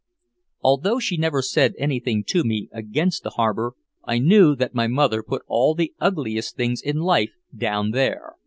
Although she never said anything to me against the harbor, I knew that my mother put all the ugliest things in life down there.